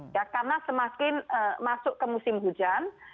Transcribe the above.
ya karena semakin masuk ke musim hujan